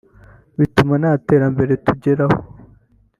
bituma nta terambere tugeraho